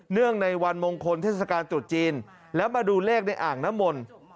เนื่องในวันมงคลเทศกาลจุดจีนแล้วมาดูเลขในอ่างนมล